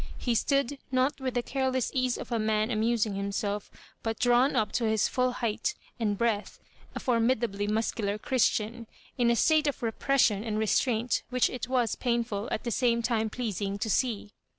He stood, not with the careless ease of a man amus ing himself, but drawn up to his full height and breadth, a formidably muscular Christian, in a state of repression and restraint which it was painful, and at the same time pleasing, to see.